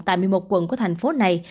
tại một mươi một quận của thành phố này